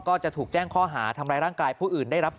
ก็จะถูกแจ้งข้อหาทำร้ายร่างกายผู้อื่นได้รับ